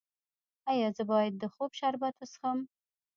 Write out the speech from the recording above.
ایا زه باید د خوب شربت وڅښم؟